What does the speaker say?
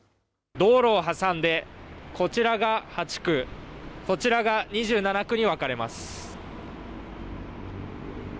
道路を挟んで、こちらが８区、こちらが２７区に分かれます。